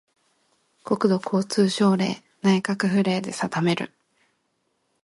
国土交通省令・内閣府令で定める